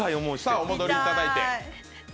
お戻りいただいて。